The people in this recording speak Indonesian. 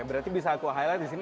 berarti bisa aku highlight di sini